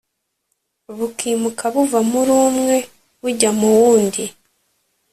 bukimuka buva muri umwe bujya mu wundi